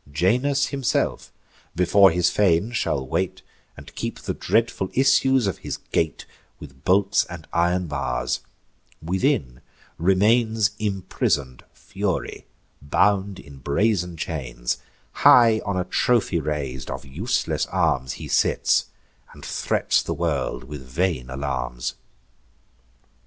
Janus himself before his fane shall wait, And keep the dreadful issues of his gate, With bolts and iron bars: within remains Imprison'd Fury, bound in brazen chains; High on a trophy rais'd, of useless arms, He sits, and threats the world with vain alarms."